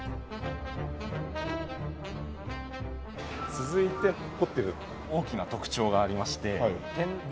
続いてホテル大きな特徴がありまして展望